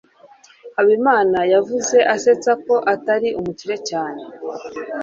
habimana yavuze asetsa ko atari umukire cyane